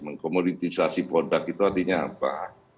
mengkomoditisasi produk itu artinya apa